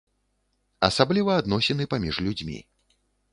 Асабліва адносіны паміж людзьмі.